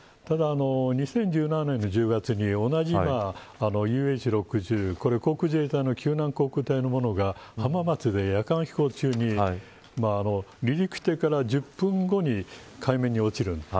ただ２０１７年の１０月に同じＵＨ‐６０航空自衛隊の救難航空隊のものが浜松で夜間飛行中に離陸してから１０分後に海面に落ちるんです。